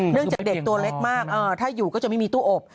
จากเด็กตัวเล็กมากถ้าอยู่ก็จะไม่มีตู้อบ